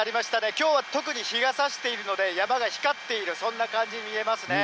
きょうは特に日がさしているので、山が光っている、そんな感じに見えますね。